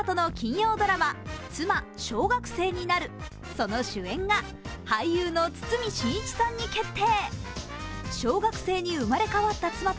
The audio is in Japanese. その主演が俳優の堤真一さんに決定。